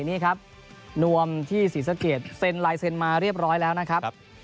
นี่ครับนวมที่ศรีสะเกดเซ็นลายเซ็นมาเรียบร้อยแล้วนะครับ